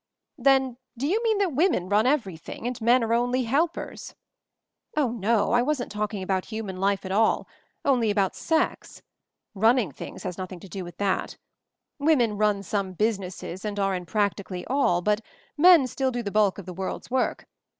"Then — do you mean that women run everything, and men are only helpers?" "Oh, no; I wasn't talking about human MOVING THE MOUNTAIN 101 life at all — only about sex. 'Running things' has nothing to do with that. Women run some businesses and are in practically all, but men still do the bulk of the world's^ work.